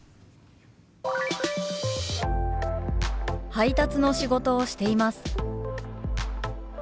「配達の仕事をしています」。